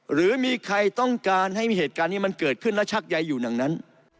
หรือมีใครต้องการให้เหตุการณ์นี้มันเกิดขึ้นและชักใยอยู่อย่างนั้น